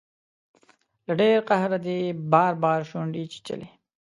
له ډیر قهره دې بار بار شونډې چیچلي